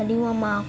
nanti mama marah